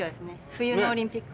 冬のオリンピックは。